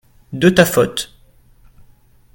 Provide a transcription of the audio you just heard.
de ta faute.